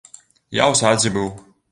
Я ў садзе быў.